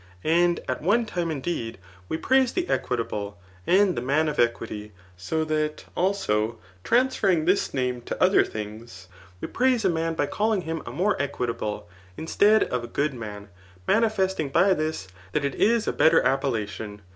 And at one tim^ indeed, we praise the equitable, and the man of equity ; so that, also, transferring this name to other things, we praise a man by calling him a jtiore equitable^ instead of a good man, manifesting by this, that it is a better appel* lation.